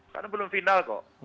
karena belum final kok